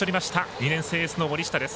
２年生エースの森下です。